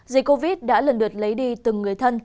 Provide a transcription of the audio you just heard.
dịch covid đã lần lượt lấy đi từng người thân